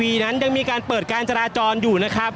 ก็น่าจะมีการเปิดทางให้รถพยาบาลเคลื่อนต่อไปนะครับ